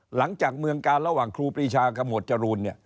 หลังจากเมืองการระหว่างครูปรีชากับหมวดจรูน